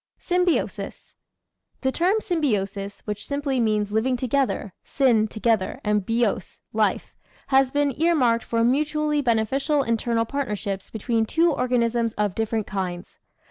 Symbiosis The term symbiosis, which simply means living together (syn, together, and bios, life), has been earmarked for mutually beneficial internal partnerships between two organisms of dif ferent kinds.